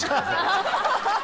ハハハハ！